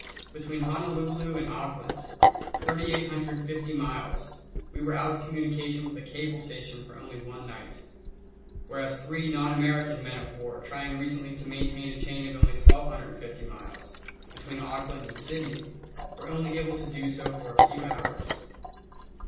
Between Honolulu and Auckland, 3850 miles, we were out of communication with a cable station for only one night, whereas three [non American] men of war trying recently to maintain a chain of only 1250 miles, between Auckland and Sydney, were only able to do so for a few hours.